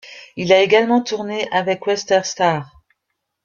Il a également tourné avec Weatherstar.